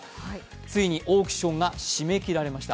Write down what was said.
ついにオークションが締め切られました